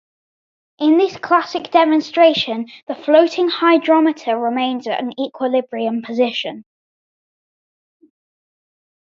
In this classic demonstration, the floating hydrometer remains at an equilibrium position.